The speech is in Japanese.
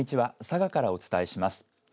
佐賀からお伝えします。